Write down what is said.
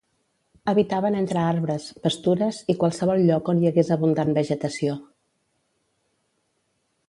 Habitaven entre arbres, pastures i qualsevol lloc on hi hagués abundant vegetació.